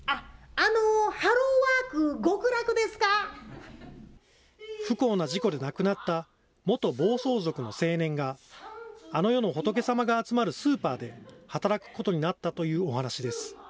あのー、不幸な事故で亡くなった元暴走族の青年が、あの世の仏様が集まるスーパーで働くことになったというお話です。